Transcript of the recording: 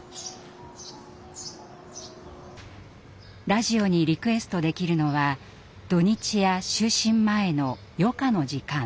ラジオにリクエストできるのは土日や就寝前の余暇の時間。